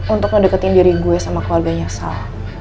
untuk ngedeketin diri gue sama keluarganya asal